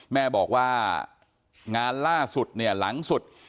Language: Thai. แม่บอกว่างานล่าสุดเนี่ยหลังสุด